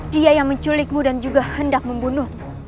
dia yang menculikmu dan juga hendak membunuh